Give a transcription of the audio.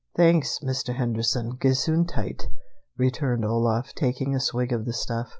"Thanks, Mr. Henderson. Gesundheit!" returned Olaf, taking a swig of the stuff.